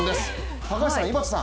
高橋さん、井端さん